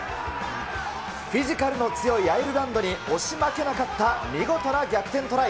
フィジカルの強いアイルランドに押し負けなかった見事な逆転トライ。